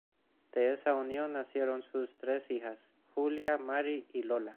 De esa unión, nacieron sus tres hijas: Julia, Mary y Lola.